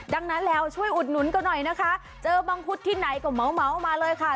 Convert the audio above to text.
ดังนั้นแล้วช่วยอุดหนุนก็หน่อยนะคะเจอมังคุดที่ไหนก็เหมามาเลยค่ะ